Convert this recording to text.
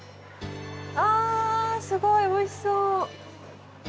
あぁすごいおいしそう。